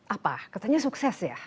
apa katanya sukses ya